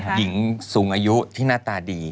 หญิงสูงอายุที่หน้าตาดี